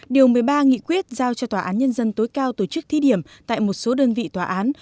điều một mươi ba nghị quyết giao cho tòa án nhân dân tối cao tổ chức thi điểm tại một số đơn vị tòa án